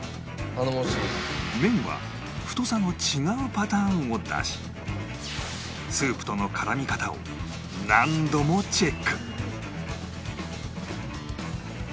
麺は太さの違うパターンを出しスープとの絡み方を何度もチェック